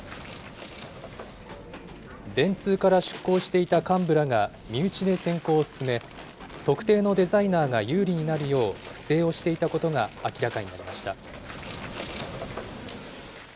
電通から出向していた幹部らが身内で選考を進め、特定のデザイナーが有利になるよう不正をしていたことが明らかになりました。